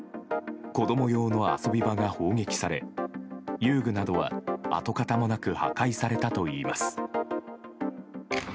子供用の遊び場が砲撃され遊具などは跡形もなく破壊されたといいます。